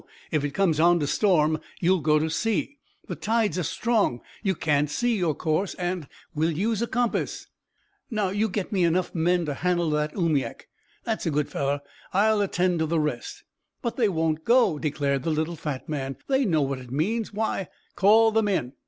If it comes on to storm, you'll go to sea. The tides are strong; you can't see your course, and " "We'll use a compass. Now, you get me enough men to handle that oomiak, that's a good fellow. I'll attend to the rest." "But they won't go," declared the little fat man. "They know what it means. Why " "Call them in.